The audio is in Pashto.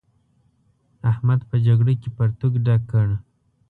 احمد په جګړه کې پرتوګ ډک کړ.